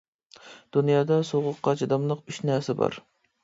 دۇنيادا سوغۇققا چىداملىق ئۈچ نەرسە بار.